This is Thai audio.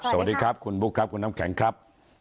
สวัสดีครับคุณบุ๊คครับคุณน้ำแข็งครับ